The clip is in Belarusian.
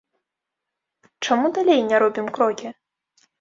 Чаму далей не робім крокі?